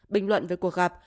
bình luận về cuộc gặp